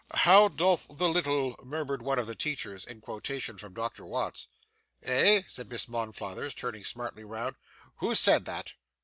'"How doth the little "' murmured one of the teachers, in quotation from Doctor Watts. 'Eh?' said Miss Monflathers, turning smartly round. 'Who said that?